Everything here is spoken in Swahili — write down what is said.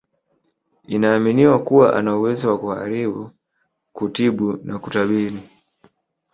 Inaaminiwa kuwa anauwezo wa kuharibu kutibu na kutabiri